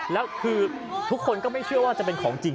แล้วคือทุกคนก็ไม่เชื่อว่าจะเป็นของจริง